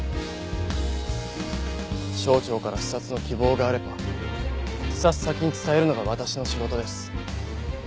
省庁から視察の希望があれば視察先に伝えるのが私の仕事です。